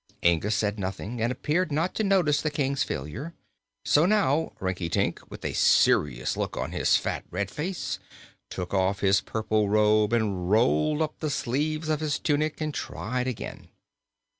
Inga said nothing and appeared not to notice the King's failure. So now Rinkitink, with a serious look on his fat, red face, took off his purple robe and rolled up the sleeves of his tunic and tried again.